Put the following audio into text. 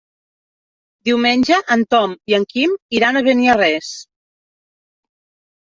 Diumenge en Tom i en Quim iran a Beniarrés.